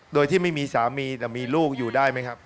โดยที่ไม่มีสามีแต่มีลูกอยู่ได้ไหมครับ